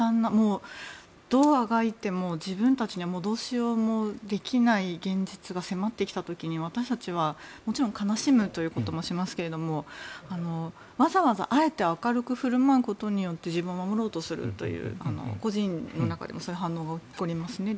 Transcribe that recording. どうあがいても自分たちにはどうしようもできない現実が迫ってきた時に私たちはもちろん悲しむということもしますけどわざわざ、あえて明るく振る舞うことによって自分を守ろうと、個人の中でそういう反応が起こりますよね。